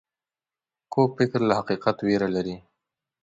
کوږ فکر له حقیقت ویره لري